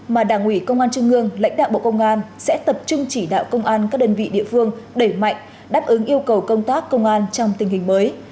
mà đảng ủy công an trung ương lãnh đạo bộ công an sẽ tập trung chỉ đạo công an các đơn vị địa phương đẩy mạnh đáp ứng yêu cầu công tác công an trong tình hình mới